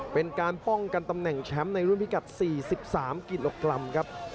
เป็นการป้องกันตำแหน่งแชมป์ในรุ่นพิกัด๔๓กิโลกรัมครับ